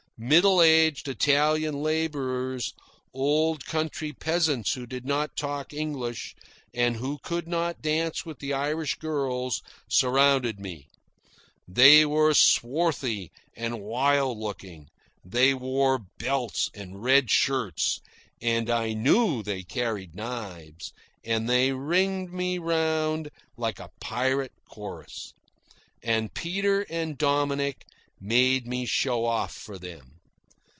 Middle aged Italian labourers, old country peasants who did not talk English, and who could not dance with the Irish girls, surrounded me. They were swarthy and wild looking; they wore belts and red shirts; and I knew they carried knives; and they ringed me around like a pirate chorus. And Peter and Dominick made me show off for them.